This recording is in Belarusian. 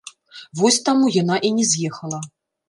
Вось таму яна і не з'ехала.